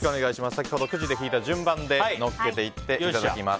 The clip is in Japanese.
先ほどくじで引いた順番で載っけていっていただきます。